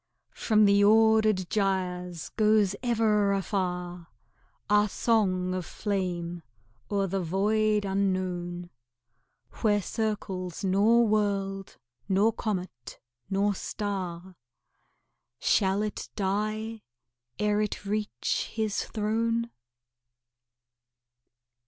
From the ordered gyres goes ever afar Our song of flame o'er the void unknown, Where circles nor world, nor comet, nor star, Shall it die ere it reach His throne?